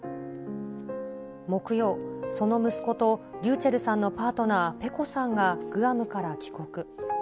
木曜、その息子とｒｙｕｃｈｅｌｌさんのパートナー、ペコさんがグアムから帰国。